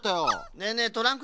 ねえねえトランク